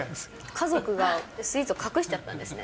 家族がスイーツを隠しちゃったんですね。